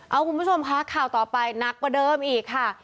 เอาคุณผู้ชมค่ะข่าวต่อไปหนักกว่าเดิมอีกค่ะ